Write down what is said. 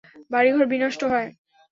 বাড়িঘর বিনষ্ট হয়।